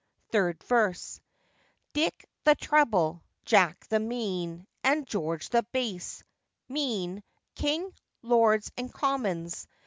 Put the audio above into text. Third Verse.—'Dick the treble, Jack the mean, and George the bass,' mean King, Lords, and Commons.